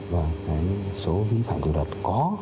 và số vi phạm điều đoạn có